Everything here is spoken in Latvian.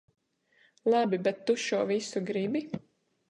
Labi, bet tu šo visu gribi?